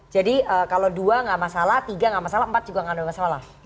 jadi kalau dua nggak masalah tiga nggak masalah empat juga nggak ada masalah